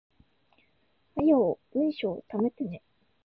早う文章溜めてね